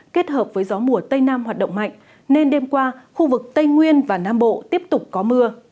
kết hợp với gió mùa tây nam hoạt động mạnh nên đêm qua khu vực tây nguyên và nam bộ tiếp tục có mưa